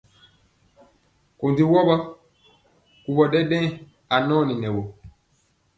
Kondi wɔgɔ, kuwɔ ɗɛɗɛŋ anɔni nɛ wɔ.